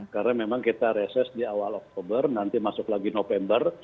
karena memang kita reses di awal oktober nanti masuk lagi november